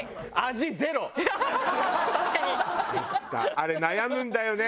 あれ悩むんだよね。